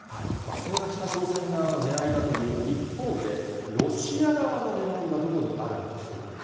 それが北朝鮮側のねらいだという一方で、ロシア側のねらいはどこにあるんでしょうか。